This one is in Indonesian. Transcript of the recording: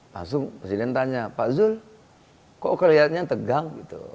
langsung presiden tanya pak zul kok kelihatannya tegang gitu